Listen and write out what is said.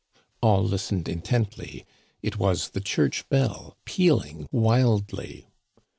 " All listened intently. It was the church bell pealing wildly.